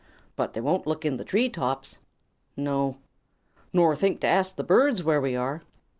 "But they won't look in the tree tops." "No." "Nor think to ask the birds where we are."